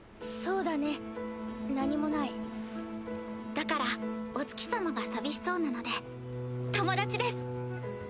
だからお月様が寂しそうなので友達です。